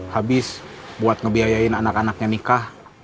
habis buat ngebiayain anak anaknya nikah